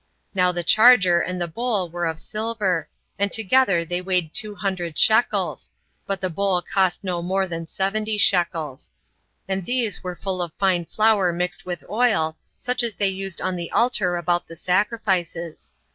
Now the charger and the bowl were of silver, and together they weighed two hundred shekels, but the bowl cost no more than seventy shekels; and these were full of fine flour mingled with oil, such as they used on the altar about the sacrifices.